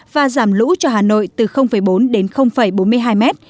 và giảm lũ cho hà nội từ bốn đến bốn mươi hai mét